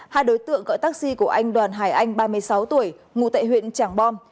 hai đối tượng gọi taxi của anh đoàn hải anh ba mươi sáu tuổi ngủ tại huyện tràng bom